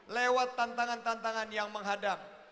lewat tantangan tantangan yang menghadap